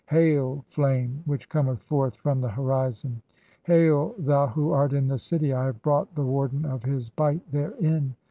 [Hail,] Flame, which cometh forth "from the horizon ! Hail, thou who art in the city, I have brought "the Warden of his Bight therein.